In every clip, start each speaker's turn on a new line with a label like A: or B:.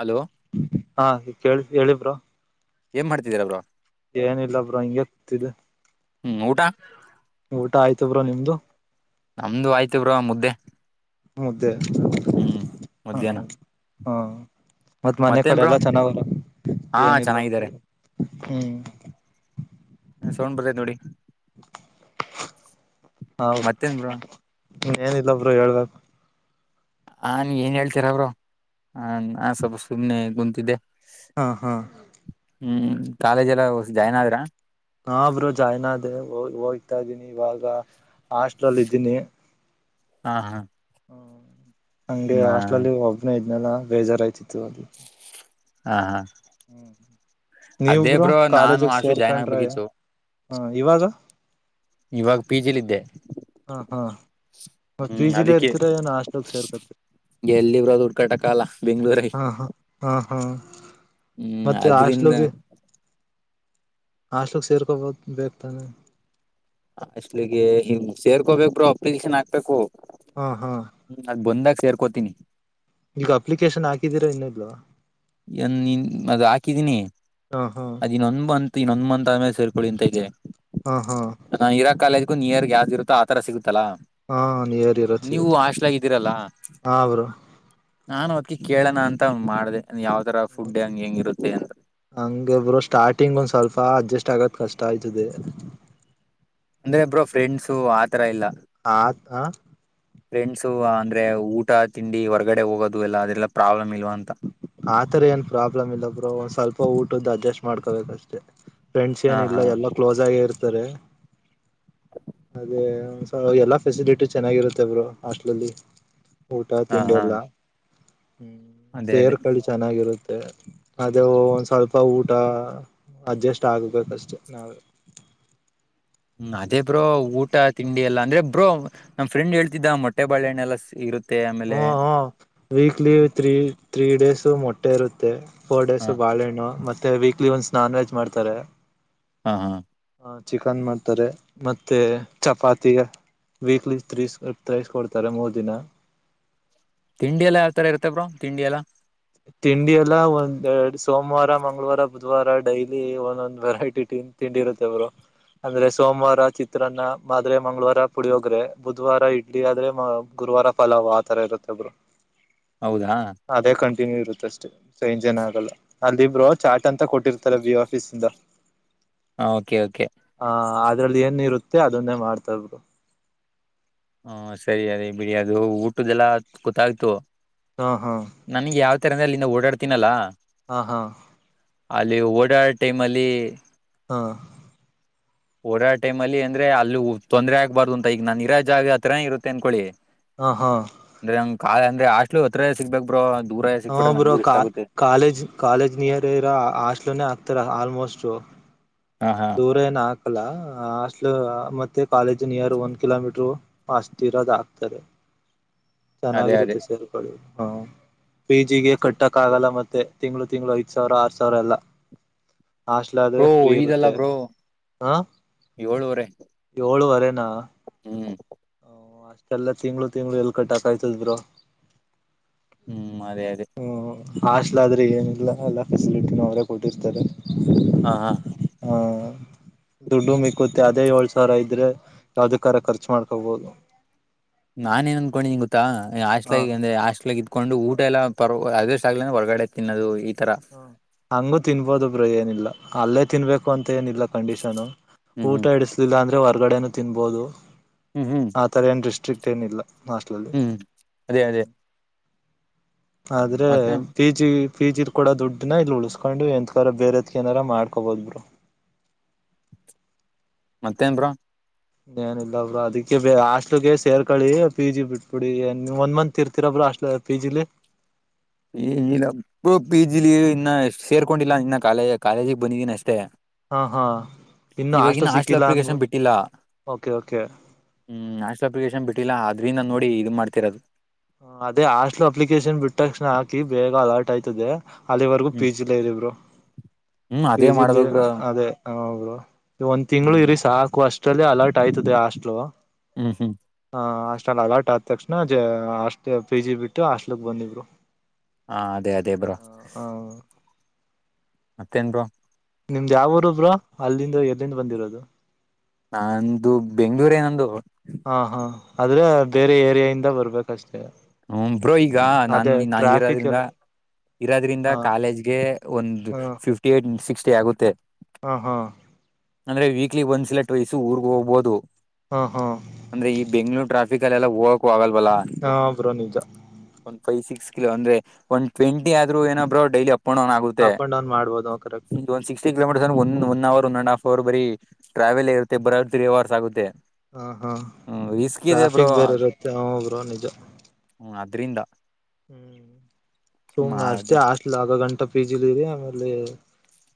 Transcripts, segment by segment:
A: Hello
B: ಹಾ ಕೇಳ್ಸ್ತಾದೆ ಹೇಳಿ ಬ್ರೋ
A: ಏನ್ ಮಾಡ್ತಿದರ ಬ್ರೋ
B: ಏನಿಲ್ಲ ಬ್ರೋ ಹಂಗೆ ಕೂತಿದ್ದೆ
A: ಹ್ಮ್ ಊಟಾ
B: ಊಟ ಆಯ್ತ ಬ್ರೋ ನಿಮ್ದು
A: ನಮ್ದು ಆಯ್ತು ಬ್ರೋ ಮುದ್ದೆ
B: ಮುದ್ದೆ
A: ಹ್ಮ್
B: ಹ
A: ಮಧ್ಯಾಹ್ನ
B: ಹ್ಮ ಮತ್ತ್ ಮನೆ
A: ಮತ್ತೇನ್
B: ಕಡೆ
A: ಬ್ರೋ
B: ಎಲ್ಲ ಚೆನ್ನಾಗವ್ರ
A: ಹಾ
B: ಏನಿಲ್ಲ
A: ಚೆನ್ನಾಗಿದ್ದಾರೆ
B: ಹ್ಮ್
A: ಏನೋ ಸೌಂಡ್ ಬತೈತ್ ನೋಡಿ
B: ಹೌದು
A: ಮತ್ತೇನ್ ಬ್ರೋ
B: ನೀ ಏನಿಲ್ಲ ಬ್ರೋ ಹೇಳ್ಬೇಕು
A: ಹನ್ ಏನ್ ಹೇಳ್ತರ ಬ್ರೋ ಆ ನಾನ್ ಸ್ವಲ್ಪ ಸುಮ್ನೆ ಕುಂತಿದ್ದೆ
B: ಹಾ ಹಾ
A: ಹ್ಮ್ ಕಾಲೇಜ್ ಎಲ್ಲ ಜಾಯ್ನ್ ಆದ್ರ
B: ಹಾ ಬ್ರೋ ಜಾಯ್ನ್ ಆದೆ ಹೋಗ್ತಾ ಇದೀನಿ ಇವಾಗ ಹಾಸ್ಟಲಲ್ ಇದ್ದೀನಿ
A: ಹಾ ಹಾ
B: ಹ್ಮ ಹಂಗೆ
A: ನಾ
B: ಹಾಸ್ಟ್ಲಲ್ಲಿ ಒಬ್ಬನೇ ಇದ್ನಲ್ಲ ಬೇಜಾರಾಯ್ತಿತ್ತು
A: ಹಾ ಹಾ
B: ಹ್ಮ್ ನೀವ್
A: ಅದೇ
B: ಬ್ರೋ
A: ನಾನು
B: ಕಾಲೇಜಗ್
A: ಆಶು ಜಾಯ್ನ್
B: ಸೇರ್ಕೊಂಡ್ರ
A: ಆಗ್ಬೇಕಿತ್ತು
B: ಹ್ಮ ಇವಾಗ
A: ಇವಾಗ ಪಿ. ಜಿ ಲಿದ್ದೆ
B: ಹಾ ಹಾ ಮತ್ ಪಿ. ಜಿ ಲೇ
A: ಅದಕ್ಕೆ
B: ಇರ್ತೀರಾ ಏನ್ ಹಾಸ್ಟ್ಲಗ್ ಸೇರ್ಕೊತಿರ
A: ಎಲ್ಲಿ ಬ್ರೋ ದುಡ್ ಕಟ್ಟಾಕ್ ಆಗಲ್ಲ ಬೆಂಗ್ಳೂರಗೆ
B: ಹಾ ಹಾ ಹಾ ಹಾ
A: ಹ್ಮ್
B: ಮತ್ತೆ
A: ಅದ್ರಿಂದ
B: ಹಾಸ್ಟ್ಲಗೆ ಹಾಸ್ಟೆಲ್ ಸೇರ್ಕೋಬೇಕು ಬೇಕ್ತಾನೆ
A: ಹಾಸ್ಟೇಲಿಗೆ ಹಂಗ್ ಸೇರ್ಕೋಬೇಕರು ಅಪ್ಲಿಕೇಶನ್ ಹಾಕ್ಬೇಕು
B: ಹಾ ಹಾ
A: ಅದ್ ಬಂದಾಗ ಸೇರ್ಕೋತೀನಿ
B: ಈಗ ಅಪ್ಲಿಕೇಶನ್ ಹಾಕಿದ್ದೀರಾ ಇಲ್ಲ ಬ್ರೋ
A: ಏನ್ ನಿನ್ ಅದ್ ಹಾಕಿದೀನಿ
B: ಹಾ ಹಾ
A: ಅದ್ ಇನ್ನೊಂದ್ ಮಂತ್ ಇನ್ನೊಂದ್ ಮಂತ್ ಆದಮೇಲೆ ಸೇರ್ಕೊಳ್ಳಿ ಅಂತ ಇದೆ
B: ಹಾ ಹಾ
A: ನಾ ಇರಾ ಕಾಲೇಜ್ಗು ನಿಯರ್ ಗೆ ಯಾವ್ದ ಇರುತ್ತೋ ಆತರ ಸಿಗುತ್ತಲ್ಲಾ
B: ಹಾ ನಿಯರ್ ಇರತ್
A: ನೀವು
B: ಸಿಗತ್ ಬ್ರೋ
A: ಹೊಶಟ್ಲಾಲಾಗಿದ್ದೀರಲ್ಲ
B: ಹಾ ಬ್ರೋ
A: ನಾನ್ ಅದ್ಕೆ ಕೇಳೋಣ ಅಂತ ಮಾಡ್ದೆ ಯಾವ ತರ ಫುಡ್ ಹೆಂಗಗೆ ಹೆಂಗಿರುತ್ತೆ ಅಂತ
B: ಹಂಗ ಬ್ರೋ ಸ್ಟಾರ್ಟಿಂಗ್ ಒಂದ್ ಸ್ವಲ್ಪ ಅಡ್ಜಸ್ಟ್ ಆಗದ್ ಕಷ್ಟ ಆಯ್ತದೆ
A: ಅಂದ್ರೆ ಬ್ರೋ ಫ್ರೆಂಡ್ಸು ಆತರ ಇಲ್ಲ
B: ಹಾ ಹ
A: ಫ್ರೆಂಡ್ಸು ಅಂದ್ರೆ ಊಟ ತಿಂಡಿ ಹೊರ್ಗಡೆ ಹೋಗೋದು ಎಲ್ಲ ಅದೆಲ್ಲಾ ಪ್ರಾಬ್ಲಮ್ ಇಲ್ವಾ ಅಂತ
B: ಆತರ ಏನ್ ಪ್ರಾಬ್ಲಮ್ ಇಲ್ಲ ಬ್ರೋ ಸ್ವಲ್ಪ ಊಟದ್ದು ಅಡ್ಜಸ್ಟ್ ಮಾಡ್ಕೋಬೇಕು ಅಷ್ಟೇ ಫ್ರೆಂಡ್ಸ್
A: ಹಾ
B: ಏನಿಲ್ಲ
A: ಹಾ
B: ಎಲ್ಲ ಕ್ಲೋಸ್ ಆಗಿ ಇರ್ತಾರೆ ಅದೇ ಎಲ್ಲಾ ಫೆಸಿಲಿಟಿ ಚೆನ್ನಾಗಿರುತ್ತೆ ಬ್ರೋ ಹಾಸ್ಟ್ಲಲ್ಲಿ ಊಟ
A: ಹಾ
B: ತಿಂಡಿ
A: ಹಾ
B: ಎಲ್ಲ ಹ್ಮ್
A: ಅದೇ ಅದೇ
B: ಸೇರ್ಕಳಿ ಚೆನ್ನಾಗಿರುತ್ತೆ ಅದೇ ಒಂದ್ ಸ್ವಲ್ಪ ಊಟ ಅಡ್ಜಸ್ಟ್ ಆಗ್ಬೇಕಷ್ಟೇ ನಾವೆ
A: ಹ್ಮ ಅದೇ ಬ್ರೋ ಊಟ ತಿಂಡಿ ಎಲ್ಲಾ
B: ಹ್ಮ
A: ಅಂದ್ರೆ ಬ್ರೋ ನಮ್ಮ ಫ್ರೆಂಡ್ ಹೇಳ್ತಿದ್ದ ಮೊಟ್ಟೆ ಬಾಳೆಹಣ್ಣೆಲ್ಲಾ ಇರುತ್ತ
B: ಹ್ಮ ಹಾ ವೀಕ್ಲಿ ತ್ರಿ ತ್ರೀ ಡೇಸು ಮೊಟ್ಟೆ ಇರುತ್ತೆ ಫೋರ್
A: ಹ
B: ಡೇಸು ಬಾಳೆಣ್ಣು ಮತ್ತೆ ವೀಕ್ಲಿ ವನ್ಸ್ ನಾನ್ ವೆಜ್ ಮಾಡ್ತಾರೆ
A: ಹಾ ಹಾ
B: ಹ ಚಿಕನ್ ಮಾಡ್ತಾರೆ ಮತ್ತೆ ಚಪಾತಿ ವೀಕ್ಲಿ ತ್ರೀಸ್ ತ್ರೈಸ್ ಕೊಡ್ತಾರೆ ಮೂರ್ ದಿನ
A: ತಿಂಡಿ ಎಲ್ಲ ಯಾವ ತರ ಇರುತ್ತೆ ಬ್ರೋ ತಿಂಡಿ ಎಲ್ಲ
B: ತಿಂಡಿ ಎಲ್ಲ ಒಂದ್ ಎರಡು ಸೋಮವಾರ ಮಂಗಳವಾರ ಬುಧವಾರ ಡೈಲಿ ಒಂದೊಂದು್ ವೆರೈಟಿ ತಿಂಡಿ ಇರುತ್ತೆ ಬ್ರೋ ಅಂದ್ರೆ ಸೋಮವಾರ ಚಿತ್ರಾನ್ನ ಆದ್ರೆ ಮಂಗಳವಾರ ಪುಳಿಯೋಗ್ರೆ ಬುಧವಾರ ಇಡ್ಲಿ ಆದ್ರೆ ಫಲಾವ್ ಆತರ ಇರುತ್ತೆ ಬ್ರೋ
A: ಹೌದಾ
B: ಅದೇ ಕಂಟಿನ್ಯೂ ಇರುತ್ತೆ ಅಷ್ಟೇ ಚೇಂಜ್ ಏನ್ ಆಗಲ್ಲ ಅಲ್ಲಿ ಬ್ರೋ ಚಾರ್ಟ್ ಅಂತ ಕೊಟ್ಟಿರ್ತಲ್ಲ ಬಿ. ಒ ಆಫೀಸ್ ಇಂದ
A: ಹ ಓಕೆ ಓಕೆ
B: ಹ ಅದ್ರಲ್ಲಿ ಏನ್ ಇರುತ್ತೆ ಅದನ್ನೇ ಮಾಡ್ತರೆ
A: ಹ ಸರಿ ಅದ ಬಿಡಿ ಅದು ಊಟದ್ದೆಲ್ಲ ಗೊತ್ತಾಯ್ತು.
B: ಹಾ ಹಾಂ
A: ನನ್ಗ್ ಯಾವ್ ತರ ಅಂದ್ರೆ ಅಲ್ಲಿಂದ ಓಡಾಡ್ತೀನಲ್ಲಾ
B: ಹಾ ಹಾ
A: ಅಲ್ಲಿ ಓಡಾಡೋ ಟೈಮ್ ಅಲ್ಲಿ
B: ಹಾ
A: ಓಡಾಡೊ ಟೈಮ್ ಅಲ್ಲಿ ಅಂದ್ರೆ ಅಲ್ಲಿೂ ತೊಂದರೆ ಆಗಬಾರದು ಅಂತ ಈಗ ನಾನ್ ಇರ ಇದ್ದಾಗ ಹತ್ರನೇ ಇರುತ್ತೆ ಅಂದ್ಕೊಳಿ
B: ಹಾ ಹಾ
A: ಅಂದ್ರೆಂಗ್ ಕಾ ಅಂದ್ರೆ ಹಾಸ್ಟ್ಲ್ ಹತ್ರನೆ ಸಿಗ್ಕ್ಬೇಕ್ ಬ್ರೋ ದೂರೇ
B: ಹಾ
A: ಸಿಕ್ಬಡ್ರೆ
B: ಬ್ರೋ
A: ನಂಗೂನು ಕಷ್ಟ
B: ಕಾ
A: ಆಗುತ್ತೆ
B: ಕಾಲೇಜ್ ಕಾಲೇಜ್ ನಿಯರ್ ಇರೋ ಹಾಸ್ಟ್ಲನ ಹತ್ರ ಆಲ್ಮೋಸ್ಟ್
A: ಹಾ ಹಾ
B: ದೂರ ಏನ್ ಹಾಕಲ್ಲ ಹಾಸ್ಟಲ್ ಮತ್ತೆ ಕಾಲೇಜ್ ನಿಯರ್ ಒಂದ್ ಕಿಲೋಮೀಟರು ಅಷ್ಟ್ ಇರದು ಆಗ್ತಾದೆ
A: ಅದೇ ಅದೇ
B: ಚೆನ್ನಾಗಿರುತ್ತೆ ಸೇರ್ಕೊಳ್ಳಿ ಹ ಪಿ. ಜಿ ಗೆ ಕಟ್ಟಕ್ ಆಗಲ್ಲ ಮತ್ತೆ ತಿಂಗಳು ತಿಂಗಳು ಐದು ಸಾವಿರ ಆರು ಸಾವಿರ ಎಲ್ಲ ಹಾಸ್ಟೆಲ್ ಆದ್ರೆ
A: ಬ್ರೋ
B: ಫ್ರೀ ಇರುತ್ತೆ. ಹಾ
A: ಏಳೂವರೆ
B: ಏಳುವರೆನಾ...
A: ಹ್ಮ್,
B: ಅಷ್ಟೆಲ್ಲ ತಿಂಗಳು ತಿಂಗಳು ಎಲ್ ಕಟ್ಟಕಾಯ್ತದ ಬ್ರೋ.
A: ಹ್ಮ್, ಅದೇ- ಅದೇ
B: ಹ್ಮ್, ಹಾಸ್ಟೆಲ್ ಆದ್ರೆ ಏನಿಲ್ಲ ಎಲ್ಲ ಫೆಸಿಲಿಟಿನ ಅವರೇ ಕೊಟ್ಟಿರ್ತಾರೆ.
A: ಹಾ, ಹಾ
B: ಹಾ, ದುಡ್ಡು ಮಿಕ್ಕತ್ ಅದೇ ಏಳ್ ಸಾವಿರ ಇದ್ರೆ ಯಾವ್ದ ಕರ ಖರ್ಚು ಮಾಡ್ತ ಹಗದ [unintelligible]
A: ನಾನೇನ್ ಅನ್ಕೊಂಡಿದೆಗೊತ್ತಾ
B: ಹ
A: ಹಾಸ್ಟೆಲ್ಗ ಅಂದ್ರ ಹಾಸ್ಟೆಲ್ ಕೊಂಡು ಊಟ ಎಲ್ಲ ಪರ ಅದಷ್ಟ ಆಗ್ಲ ಹೊರಗಡೆ ತಿನ್ನೋದು ಈ ಥರ.,
B: ಹಂಗು ತಿನ್ಬೋದು ಬ್ರೋ ಏನಿಲ್ಲ ಅಲ್ಲೇ ತಿನ್ಬೇಕು ಅಂತ ಏನಿಲ್ಲ ಕಂಡೀಷನು.
A: ಹ್ಮ್ ಹ್ಮ್
B: ಊಟ ಇಡಿಸ್ಲಿಲ್ಲ ಅಂದ್ರೆ ಹೊರ್ಗಡೆನು ತಿನ್ಬಹದು.
A: ಹ್ಮ್, ಹ್ಮ್
B: ಆ ತರ ಏನ್ ಡಿಸ್ಟ್ರಿಕ್ ಏನಿಲ್ಲ ಹಾಸ್ಟ್ ಲ್ಲಿ.
A: ಹ್ಮ್, ಅದೇ- ಅದೇ
B: ಆದ್ರೆ
A: ಮತ್ತೆ
B: ಪಜ [inaudible] ಪಿ, ಜಿದ ಕೊಡ ದುಡ್ಡನ ಇಲ್ಲಿ ಉಳಸ್ಕೊಂಡು ಎಂತ ಬೇರೆದ ಏನಾರ ಮಾಡ್ಕೋಬಹುದು ಬ್ರೋ.
A: ಮತ್ತೇನ್ ಬ್ರೋ
B: ಏನ ಇಲ್ಲ ಬ್ರೋ ಅದಿಕ್ಕೆ ಬ ಹಾಸ್ಟೆಲ್ಗೆ ಸೇರ್ಕೊಳ್ಳಿ. ಪಿ, ಜಿ ಬಿಟ್ಬಿಡಿ ಒಂದ ಮಂತ್ ಇರ್ತಿರಬ್ರೋ ಹಾಸ್ಟೆಲ್ ನಲ್ಲಿ. ಪಿ, ಜಿ, ಲಿ
A: ಈ ಇಲ್ಲ ಪಿ, ಜಿಲಿ ಇನ್ನ ಸೇರ್ಕೊಂಡಿಲ್ಲ ಇನ್ನ ಕಾಲೇಜ, ಕಾಲೇಜಿಗೆ ಬಂದಿದ್ದೀನ ಅಷ್ಟೇ.
B: ಹಾಂ, ಹಾಂ ಇನ್ನೂ
A: ಇವಾಗಿನ
B: ಹಾಸ್ಟೆಲ್ ಸಿಕ್ಕಿಲ್ಲ
A: ಅಪ್ಲಿಕೇಶನ್
B: ಅನ್ಬೋದು
A: ಬಿಟ್ಟಿಲ್ಲ
B: ಓಕೆ, ಓಕೆ.
A: ಹ್ಮ್, ನ್ಯಾಷನಲ್ ಅಪ್ಲಿಕೇಶನ್ ಬಿಟ್ಟಿಲ್ಲ ಅದ್ರಿಂದ ನೋಡಿ ಇದು ಮಾಡ್ತಿರೋದು.
B: ಅದೇ ಹಾಸ್ಟೆಲ್ ಅಪ್ಲಿಕೇಶನ್ ಬಿಟ್ಟ ತಕ್ಷಣ ಹಾಕಿ. ಬೇಗ ಅಲರ್ಟ್ ಆಯ್ತದೆ ಅಲ್ಲಿವರೆಗೂ ಪಿ,
A: ಹ್ಮ್
B: ಜಿ ಲೆಇರಿ ಬ್ರೋ
A: ಹ್ಮ್ ಅದೇ
B: ಜಿ
A: ಮಾಡ್ಬೇಕ ಬ್ರೋ
B: ಅದೇ ಒಂದ್ ತಿಂಗಳು
A: ಹ್ಮ್
B: ಇರಿ ಸಾಕು ಅಷ್ಟೆ., ಅಷ್ಟಲ್ಲಿಅಲರ್ಟ್ ಆಯ್ತದೆ ಹಾಸ್ಟಲ್
A: ಹ್ಮ್, ಹ್ಮ್
B: ಹ, ಅಷ್ಟ್ರಲ್ಲಿ ಅಲ್ಟ್ ಆದ ತಕ್ಷಣ ಹಾಸ್ಟೆಲ್ ಪಿ, ಜಿ ಬಿಟ್ಟು ಹಾಸ್ಟೆಲ್ ಕಬಂದಿದ್ರು.
A: ಹಾ, ಅದೇ ಅದೇ ಬ್ರೋ ಮತ್ತೇನ್ರಿ
B: ನಿಮ್ದ್ ಯಾವ ಊರುಬ್ರೋಅಲ್ಲಿಂದ ಎಲ್ಲಿಂದ ಬಂದಿರೋದು.
A: ನಂದು ಬೆಂಗ್ಳೂರ್ ನಂದು.
B: ಹಾ, ಹಾ ಆದ್ರೆ ಬೇರೆ ಏರಿಯ ಇಂದ ಬರ್ಬೇಕಷ್ಟೇ.,
A: ಹ್ಮ, ಬ್ರೋ ಈಗ ನಾ
B: ಅದೇ
A: ನಾ
B: ಟ್ರಾಫಿಕ್
A: ಇರೋದ್ರಿಂದ
B: ಎಲ್ಲ
A: ಇರೋದ್ರಿಂದ
B: ಹಾ
A: ಕಾಲೇಜ್ಗೆ ಒಂದು
B: ಹ್ಮ
A: ಫಿಫ್ಟಿ ಏಟ್ ಸಿಕ್ಸ್ಟಿ ಆಗುತ್ತೆ.
B: ಹಾ, ಹಾ
A: ಅಂದ್ರೆ ವೀಕ್ಲಿ ಒಂದ್ಸಲಲೆಟ್ [unintelligible] ವಯಸ್ ಊರ್ಗೆ ಹೋಗಬಹುದು.
B: ಹಾ, ಹಾ
A: ಅಂದ್ರೆ ಈ ಬೆಂಗಳೂರು ಟ್ರಾಫಿಕ್ಲಿಲ್ಲಿ ಹೋಗಕ್ ಆಗಲ್ವಲ್ಲ.
B: ನಾಬ್ರೋ ನಿಜ [unintelligible]
A: ಒನ್ ಫೈವ್ ಸಿಕ್ಸ್ ಕಿಲೋ ಅಂದ್ರೆ ಒನ್ ಟ್ವೆಂಟಿ ಆದ್ರುಏನಬ್ರೋ ಡೈಲಿ ೋನ
B: ಅಪ್
A: ಆಗುತ್ತೆ್ಮ
B: ಅಂಡ್ ಡೌನ್ ಮಾಡ್ಬೋದು ಕರೆಕ್ಟ್
A: [unintelligible] ಒಂದು sixty kilometre one hour one and half hour ಬರೆಟ್ರ್ಯಾವೆಲ್ ಇರುತ್ತೆ. ಬರಿತ್ರೀ ಅವರ್ ಆಗುತ್ತೆ.
B: ಹಾ
A: ಹ್ಮ ಇಸ್ಕಿದೆ ಬ್ರೋ
B: ತಗರ ನಿಜ [unintelligible]
A: ಹ್ಮ್ ಅದ್ರಿಂದ
B: ಹ್ಮ್
A: ಹ್ಮ್
B: ಸೋಮವಸ್ ಆಷ್ಟ [unintelligible] ಇಲ್ ಆಗ ಗಂಟಾ ಪಿ. ಜಿ ಲಿರಿ ಆಮೇಲೆ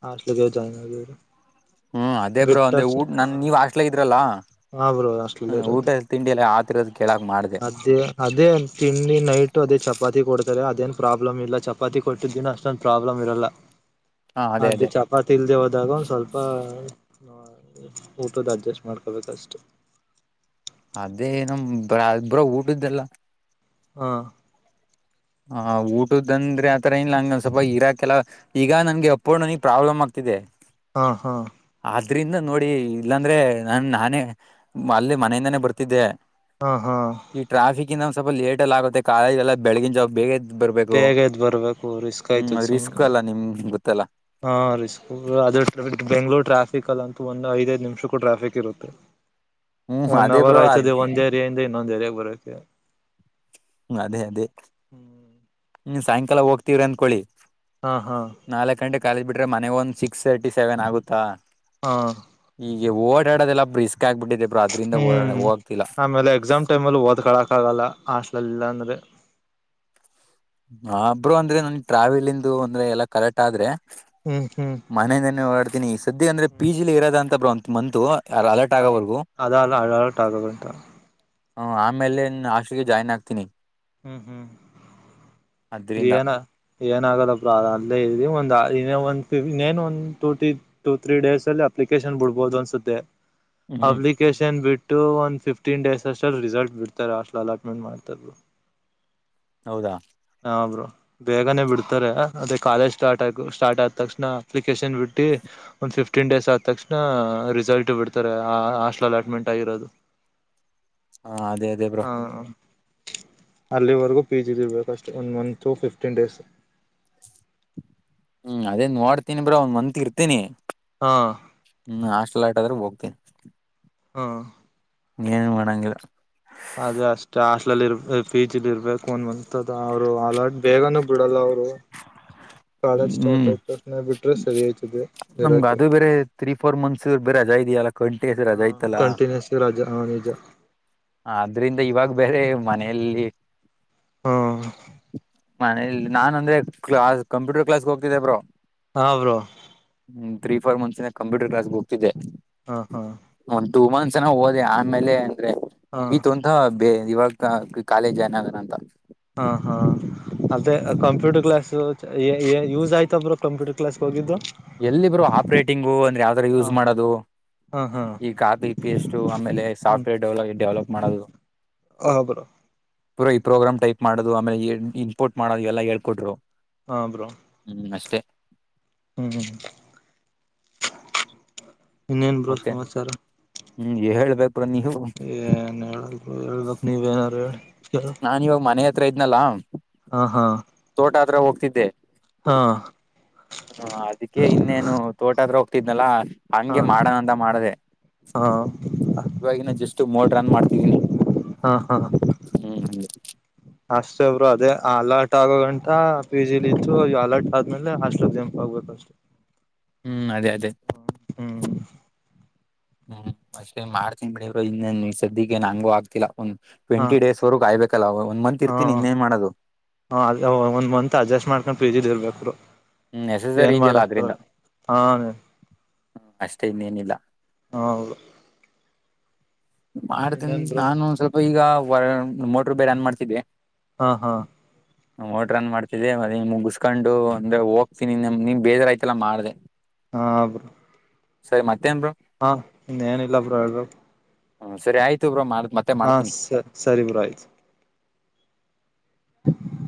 B: ಹೊಷ್ಟ್ಟ್ಲು ಜಾಯ್ನ್ ಆಗಿರಿ
A: ಹ್ಮ್ ಅದೇ ಬ್ರೋ ಅಂದ್ರೆ ಊ ನಾನ್ ನೀವ್ ಹೊಷ್ಟಲಾಲ್ ಇದ್ರಲ್ಲ
B: ಹಾ ಬ್ರೋ ಹಾಷ್ಟಲ್ ಇರೋದು
A: ತಿಂಡಿಯಲ್ಲ ಕೆಳ [unintelligible]
B: ಅದೇ ಅದೇ ತಿಂಡಿ ನೈಟ್ ಅದೇ ಚಪಾತಿ ಕೊಡ್ತಾರೆ ಅದೇನ್ ಪ್ರಾಬ್ಲಮ್ ಇಲ್ಲ ಚಪಾತಿ ಕೊಟ್ಟಿದ್ದ ದಿನ ಅಷ್ಟೊಂದು ಪ್ರಾಬ್ಲಮ್ ಇರಲ್ಲ
A: [inaudible]
B: ಅದು
A: ಅದೇ
B: ಚ ಚಪಾತಿ ಇಲ್ದೆೇ ಹೋದಾಗ ಒಂದ್ ಸ್ವಲ್ಪ ಊಟದ ಅಡ್ಜಸ್ಟ್ ಮಾಡ್ಕೊಬೇಕ ಅಷ್ಟೆ
A: ಅದೇ ಏನೋ ಬ್ರ ಬ್ರೋ ಊಟದ್ದಲ್ಲ
B: ಹಾ
A: ಹ ಊಟದ ಅಂದ್ರೆ ಆತರ ಇಲ್ಲ ಹಂಗಂದ್ ಸ್ವಲ್ಪ ಇರಾಕೆಲ್ಲ ಈಗ ನನ್ಗೆ ಅಪ್ ಆಂಡ್ ಡೌನ್ ಗೇ ನನಗ್ ಪ್ರಾಬ್ಲಮ್ ಆಗ್ತಿದೆ
B: ಹಾ ಹಾ
A: ಆದ್ರಿಂದ ನೋಡಿ ಇಲ್ಲಾಂದ್ರೆ ನನ್ ನಾನೇ ಅಲ್ಲಿ ಮನೆಯಿಂದಾನೇ ಬರ್ತಿದ್ದೆ
B: ಹಾ ಹಾ
A: ಈ ಟ್ರಾಫಿಕ್ ಇಂದ ಸ್ವಲ್ ಲೇಟ ಆಗುತ್ತೆ ಕಾಲಜೆಲ್ಲ ಬೆಳಗಿನ ಜಾಗ ಬೇಗ ಬರ್ಬೇಕು
B: ಬೇಗ ಎದ್ ಬರ್ಬೇಕು ರಿಸ್ಕ್
A: ಹ್ಮ್
B: ಆಯ್ತದ
A: ಅದ್ರ ರಿಸ್ಕು
B: ಸುಮ್ನೆ
A: ಅಲ್ಲ ನಿಮ್ ಗೊತ್ತಲ್ಲ
B: ಹಾ ರಿಸ್ಕು ಅದ ಕ್ ಬೆಂಗಳೂರು ಟ್ರಾಫಿಕ್ ಅಲ್ಲ ಅಂತ ಒಂದು ಐದೈದ್ ನಿಮಿಷೂಕ್ಕೂ ಟ್ರಾಫಿಕ್ ಇರುತ್ತೆ
A: [inaudible]
B: ಒನ್
A: ಅದೇ
B: ಅವರ್
A: ಬ್ರೋ ಅದ್
B: ಆಯ್ತದೆ ಒಂದ್ ಏರಿಯಾಂದ ಇನ್ನೊ ಏರಿಯಾಗೆ ಬರತ್ತೆ
A: ಹ್ಮ ಅದೇ ಅದೇ ನೀ ಸಾಯಂಕಾಲ ಹೋಗ್ತವ್ರಿ ಅಂದಕೊೊಳ್ಳಿ
B: ಹಾ ಹಾ
A: ನಾಲ್ಕು ಗಂಟ ಕಾಲೇಜ್ ಬಿಟ್ರೆ ಮನೆಗೆ ಒಂದು ಸಿಕ್ಸ್ ತರ್ಟಿ ಸೆವೆನ್ ಆಗುತ್ತಾ
B: ಹಾ
A: ಈಗ ಓಡಾಡೋದೆಲ್ಲಾ ರಿಸ್ಕ್ ಆಗ್ಬಿಟ್ಟಿದೆ ಬ್ರೋ ಅದು
B: ಹ್ಮ್ ಆಮೇಲೆ ಎಕ್ಸಾಮ್ ಟೈಮ್ ಅಲ್ಲಿ ಓದ್ಕಳಕ್ ಆಗಲ್ಲ ಹಸ್ಟ್ಲಲ್ಲಿ ಇಲ್ಲ ಅಂದ್ರೆ
A: ಹ ಬ್ರೋ ಅಂದ್ರೆ ನನ್ ಟ್ರಾವೆಲ್ಂದು ಅಂದ್ರೆ ಎಲ್ಲಾ ಕರೆಕ್ಟ್ ಆದ್ರೆ
B: ಹ್ಮ್ ಹ್ಮ್
A: ಮನೆ ಇಂದಾನೆ ಹೊಡಡ್ತಿನಿ ಈ ಸದ್ಯ ಅಂದ್ರೆ ಪಿ. ಜಿಲಿ ಇರದ್ ಅಂತಾ ಬಂತ ಮಂತು ಅಲರ್ಟ್ ಆಗೋವರ್ಗೂ
B: ಅದ ಅಲ್ಲ ಅಡಳಟ್ ಆಗದುಂತ್ [unintelligible]
A: ಹ ಆಮೇಲೆ ಹೊಷ್ಟಾಲಿಗೆ ಜಾಯ್ನ್ ಆಗ್ತೀನಿ.
B: ಹ್ಮ್ ಹ್ಮ್
A: ಅದ್ರಿಂದ
B: ದಿಯನ ಏನ ಆಗದಪ್ರ ಅ ಅಲ್ಲೇ ಇದ ಒಂದ ಒನ್ ಒಂದ ಟೂಟ. [unintelligible] ಟು ತ್ರೀ ಡೇಸ್ ಅಲ್ಲಿ ಅಪ್ಲಿಕೇಶನ್ ಬಿಡ್ಬಹುದು ಅನ್ನಿಸುತ್ತೆ
A: ಹ್ಮ್
B: ಅಪ್ಲಿಕೇಶನ್ ಬಿಟ್ಟು ಒಂದ್ ಫಿಫ್ಟೀನ್ ಡೇಸ್ ಅಷ್ಟಲ್ಲಿ ರಿಸಲ್ಟ್ ಬಿಡ್ತಾರೆ ಅಷ್ಟ ಅಲಾಟ್ಮೆಂಟ್ ಮಾಡ್ತಾರ್ರು.
A: ಹೌದಾ
B: ಹಾ ಬ್ರೋ ಬೇಗನೆ ಬಿಡ್ತಾರೆ ಅದೇ ಕಾಲೇಜ್ ಸ್ಟಾರ್ಟ್ ಆಗ ಸ್ಟಾರ್ ಆದ ತಕ್ಷಣ ಅಪ್ಲಿಕೇಶನ್ ಬಿಟ್ಟಿ. ಒಂದು್ ಫಿಫ್ಟೀನ್ ಡೇಸ್ ಆದ ತಕ್ಷಣ ರಿಸಲ್ಟ್ ಬಿಡ್ತಾರೆ ಆ ಹಾಸ್ಟ್ಲ್ ಅಲಾಟ್ಮೆಂಟ್ ಆಗಿರೋದು.
A: ಹಾ ಅದೇ ಅದೇ. ಬ್ರೋ
B: ಹಾ ಅಲ್ಲಿವರಗೂ ಪಿ ಜಿಲೀ ಇರ್ಬೇಕು ಅಷ್ಟೇ ಒಂದ ಮಂತು ಫಿಫ್ಟೀನ್ ಡೇಸ್.
A: ಹ್ಮ್ ಅದೇ ನೋಡ್ತೀನಿ ಬ್ರೋ ಒಂದ್ ಮಂತ ಇರ್ತೀನಿ.
B: ಹಾ
A: ಹ್ಮ ಹಾಸ್ಟೆಲ್ಲೈಟ್ ಆದ್ರೆ ಹೋಗ್ತೀನಿ.
B: ಹಾ
A: ಏನು ಮಾಡಂಗಿಲ್ಲ.
B: ಅದ ಅಷ್ಟ ಹಾಸ್ಟೇಲ್ ಅಲ್ಲಿ ಪಿಜಿ ಇರಬೇಕು ಒಂದ ಮಂತ್. ದ ಅವ್ರು ಅಲರ್ಟ್ ಬೇಗನೂ ಬಿಡಲ್ಲ ಅವರು. ಕಾಲೇಜ್ ಸ್ಟಾರ್ಟ್
A: ಹ್ಮ್
B: ಆಯ್ತ್ ತಕ್ಷಣ ಬಿಟ್ರೆ ಸರಿ ಆಯ್ತದೆ
A: ನಮ್ಗ
B: ಇರೋಕ್ಕೆ.
A: ಅದು ಬೇರೆ ತ್ರೀ ಫೋರ್ ಮಂತ್ಸ್ ಬೇರೆ ರಜಾ ಇದೆಯಲ್ಲ ಕಂಟಿ ರಜಾ ಇತ್ತಲ್ಲ.
B: ಕಂಟಿನ್ಯೂಸ್ ರಜಾ ಹಾ ನಿಜ
A: ಆದ್ರಿಂದ ಇವಾಗ ಬೇರೆ ಮನೆಯಲ್ಲಿ.
B: ಹಾ
A: ಮನೆ ಇಲ್ಲಿ ನಾನ್ ಅಂದ್ರೆ ಕ್ಲಾಸ್ ಕಂಪ್ಯೂಟರ್ ಕ್ಲಾಸ್ಗೆ ಹೋಗ್ತಿದ್ದೆ ಬ್ರೋ.
B: ಹಾ ಬ್ರೋ.
A: ಹ್ಮ್ ತ್ರೀ ಫೋರ್ ಮಂತ್ಸ ಇಂದ ಕಂಪ್ಯೂಟರ್ ಕ್ಲಾಸ್ ಹೋಗ್ತಿದೆ.
B: ಹಾ ಹಾ
A: ಒಂದ್ ಟೂ ಮಂತ್ಸ್ ಏನೋ ಹೋದೆ ಆಮೇಲೆ ಅಂದ್ರೆ
B: ಹಾ
A: ಮುಗೀತು ಅಂತಾ ಬೇ ಇವಾಗ. ಕಾಲೇಜ್ ಜಾಯಿನ್ ಆಗೋಣ ಅಂತಾ.
B: ಹಾ ಹಾ ಅದೇ ಕಂಪ್ಯೂಟರ್ ಕ್ಲಾಸ್ ಯೂಸ್ ಆಯ್ತಾ ಬ್ರೋ ಕಂಪ್ಯೂಟರ್ ಕ್ಲಾಸ್ ಹೋಗಿದ್ದು.
A: ಎಲ್ಲಿ ಬ್ರೋ ಹಾಫ್ ರೇಟಿಂಗ್ ಅಂದ್ರೆ ಯಾವ್ದರ
B: ಹಾ
A: ಯೂಸ್ ಮಾಡೋದು
B: ಹಾ ಹಾ
A: ಈ ಕಾಪಿ ಪೇಸ್ಟ್ ಆಮೇಲೆ ಸಾಫ್ಟ್ವೇರ್ ಡೆಲ ಡೆವಲಪ್ ಮಾಡೋದು.
B: ಹಾ ಬ್ರೋ.
A: ಪುರಾ ಈ ಪ್ರೋಗ್ರಾಮ್ ಟೈಪ್ ಮಾಡೋದು ಆಮೇಲೆ ಇನ್ಪೋರ್ಟ್ ಮಾಡೋದು ಎಲ್ಲ ಹೇಳ್ಕೊಟ್ರು.
B: ಹಾ ಬ್ರೋ
A: ಹ್ಮ್ ಅಷ್ಟೇ.
B: ಹ್ಮ್ ಇನ್ನೇನ್ ಬ್ರೋ
A: ಮತ್ತೆ
B: ಸಮಾಚಾರ.
A: ಹ್ಮ್ ಹೇಳಳ್ಬೇಕು ಬ್ರೋ ನೀನು
B: ಏನ್ ಹೇಳ ಹೇಳ್ಬೇಕ ನೀವೆ ಏನಾರು.
A: ನಾನ್ ಇವಾಗ ಮನೆ ಹತ್ರ ಇದ್ನಲ್ಲಾ.
B: ಹಾ ಹಾ
A: ತೋಟ ಹತ್ರ ಹೋಗ್ತಿದ್ದೆ.
B: ಹಾ
A: ಹ್ಮ ಅದಕ್ಕೆ ಇನ್ನೇನು ತೋಟತ್ರ ಹೋಗ್ತಿದ್ನಲ್ಲಾ.
B: ಹಾ
A: ಹಂಗೆ ಮಾಡೋಣಂತ ಮಾಡದೆ.
B: ಹಾ
A: ಇವಾಗಿನ ಜಸ್ಟ್ ಮೋಟ್ರ ಓನ್ ಮಾಡ್ತಿದೀನಿ
B: ಹಾ ಹಾ
A: ಹ್ಮ್ ಹಂಗೆ.
B: ಅಷ್ಟೇ ಒಬ್ರು ಅದೇ ಅಲರ್ಟ್ ಆಗೋ ಗಂಟ ಪಿ ಜಿಲಿದು ಅಲರ್ಟ್ ಆದ್ಮೇಲೆ ಹಾಸ್ಟೆಲ್ ಜಂಪ್. ಹೋಗುತ್ತ ಅಷ್ಟೆ
A: ಹ್ಮ್ ಅದೇ ಅದೇ.
B: ಹ್ಮ್
A: ಹ್ಮ್ ಅಷ್ಟೆ ಮಾಡ್ತೀನಿ ಬಿಡವರೂ ಇನ್ನೇನ್ ಸದ್ಯಗ್ ಏನ್ ನಂಗೂ ಆಗ್ತಿಲ್ಲ.
B: ಹಾ
A: ಟ್ವೆಂಟಿ ಡೇಸವರೆಗೂ ಕಾಯ್ಬೇಕಲ್ಲ ಒಂದ ಮಂತ್ ಇರ್ತಿನಿ ಇನ್ನೇನ್ ಮಾಡೋದು.
B: ಹ ಅದ ಒಂದ ಮಂತ್ ಅಡ್ಜಸ್ಟ್ ಮಾಡ್ಕೊಂಡು ಪಿಜಿಲಿ ಇರ್ಬೇಕು.
A: ಹ್ಮ್ ನೆಸಸರಿ
B: ಏನ್
A: ಇದೆಯಲ್ಲ
B: ಮಾಡಕ ಆಗಲ್ಲಾ ಹಾ
A: ಹ್ಮ ಅಷ್ಟೇ ಇನ್ನೇನಿಲ್ಲ.
B: ಹಾ ಹೌದು
A: ಮಾಡ್ತನ್
B: ಇನ್ನೇನ್ ಬ್ರೋ
A: ನಾನು ಸ್ವಲ್ಪ ಈಗ ಮೋಟರು ಬೇರೆ ಆನ್ ಮಾಡ್ತಿದ್ದೆ
B: ಹಾ ಹಾ
A: [inaudible] ಮೋಟರ್ ಆನ್ ಮಾಡ್ತಿದ್ದೆ ಅದನ್ನು ಮುಗಿಸ್ಕೊಂಡು ಅಂದ್ರೆ ಹೋಗ್ತೀನಿ ನೀನ್ ಬೇಜರ್ ಆಯ್ತಲ್ಲ ಮಾಡ್ದೆ
B: ಹಾ ಬ್ರೋ
A: ಸರಿ ಮತ್ತೇನ್ ಬ್ರೋ
B: ಹಾ ಇ ಏನಿಲ್ಲ ಬ್ರೋ ಹೇಳ್ಬೇಕು
A: ಹ್ಮ ಸರಿ ಅಯ್ತು ಬ್ರೋ ಮಾಡತ್
B: ಹಾ ಸ ಸರಿ ಬ್ರೋ ಅಯ್ತು ಹ